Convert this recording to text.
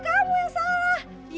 kamu yang salah